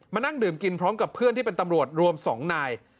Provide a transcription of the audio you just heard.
นั่งดื่มกินพร้อมกับเพื่อนที่เป็นตำรวจรวม๒นาย